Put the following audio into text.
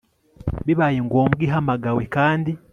bibaye ngombwa ihamagawe kandi